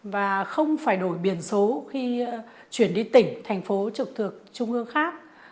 và không phải đổi biển số khi chuyển đi tỉnh thành phố trực thuộc trung ương khác